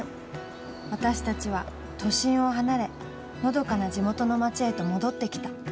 私たちは都心を離れのどかな地元の町へと戻ってきた。